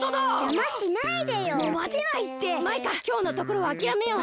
マイカきょうのところはあきらめよう。